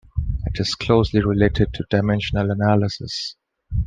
It is closely related to dimensional analysis.